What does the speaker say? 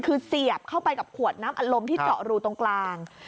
คือเสียบเข้าไปกับขวดน้ำอารมณ์ที่เจาะรูตรงกลาง